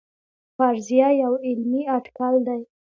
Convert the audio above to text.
فرضیه یو علمي اټکل دی